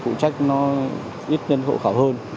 cụ trách nó ít nhân hộ khẩu hơn